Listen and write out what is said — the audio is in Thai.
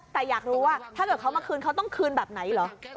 แต่อยากรู้ว่าถ้าเกิดเขามาคืนเขาต้องคืนแบบไหนเหรอ